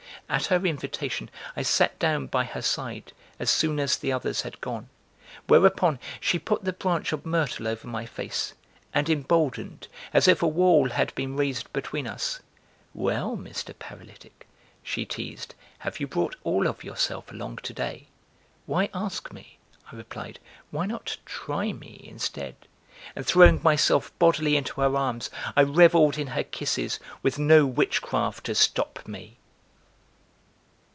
At her invitation, I sat down by her side, as soon as the others had gone; whereupon she put the branch of myrtle over my face and emboldened, as if a wall had been raised between us, "Well, Mr. Paralytic," she teased, "have you brought all of yourself along today?" "Why ask me," I replied, "why not try me instead?" and throwing myself bodily into her arms, I revelled in her kisses with no witchcraft to stop me.